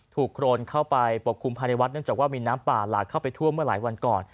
โครนเข้าไปปกคลุมภายในวัดเนื่องจากว่ามีน้ำป่าหลากเข้าไปท่วมเมื่อหลายวันก่อน